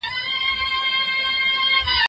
ټول خلګ بايد ولور د واجب عمل په توګه ادا کړي.